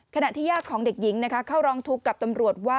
ขณะที่ย่าของเด็กหญิงเข้าร้องทุกข์กับตำรวจว่า